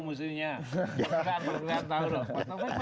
pak taufik pasti nggak tahu